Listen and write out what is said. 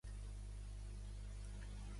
Francisco Suñé és un ciclista nascut al Rourell.